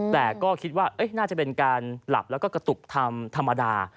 แต่ก็คิดว่าน่าจะเป็นการหลับแล้วก็กระตุกทำธรรมดา